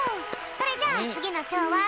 それじゃあつぎのしょうはこれ！